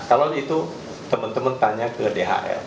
kalau itu teman teman tanya ke dhl